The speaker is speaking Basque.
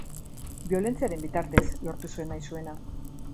Biolentziaren bitartez lortu zuen nahi zuena.